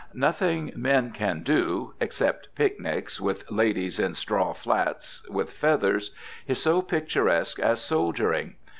Nothing men can do except picnics, with ladies in straw flats with feathers is so picturesque as soldiering.